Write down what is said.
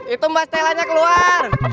itu mbak stellanya keluar